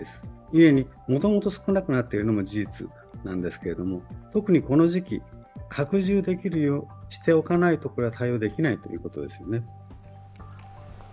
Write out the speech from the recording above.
ゆえに、もともと少なくなっているのも事実なんですけれども、特にこの時期、拡充しておかないと対応できないということですね。